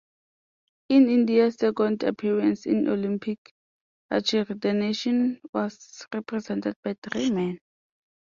In India's second appearance in Olympic archery, the nation was represented by three men.